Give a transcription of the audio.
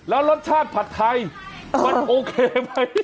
แล้วรสชาติผัดไทยมันโอเคไหม